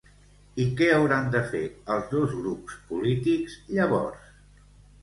I què hauran de fer els dos grups polítics, llavors?